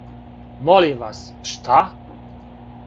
Молим вас, шта?